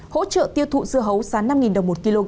hỗ trợ tiêu thụ dưa hấu sán năm đồng một kg